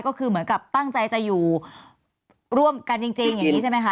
ก็คือเหมือนกับตั้งใจจะอยู่ร่วมกันจริงอย่างนี้ใช่ไหมคะ